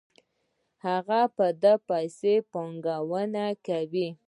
هغه په دې پیسو پانګونه کوي